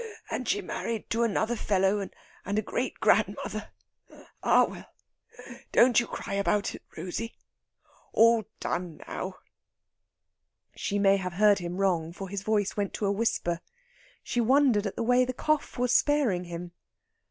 And she married to another fellow, and a great grandmother. Ah, well!... don't you cry about it, Rosey.... All done now!" She may have heard him wrong, for his voice went to a whisper. She wondered at the way the cough was sparing him.